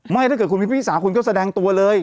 ถ้าเกิดคุณมีพี่สาวคุณก็แสดงตัวเลย